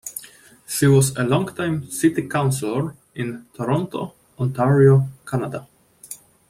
She was a longtime city councillor in Toronto, Ontario, Canada.